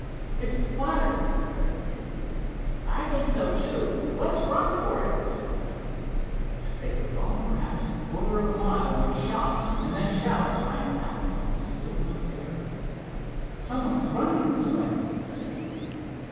"It's a fire!" declared Dave. "I think so, too. Let's run for it," spoke Hiram. They had gone perhaps a quarter of a mile when shots and then shouts rang out on the still night air. "Someone is running this way," said Dave.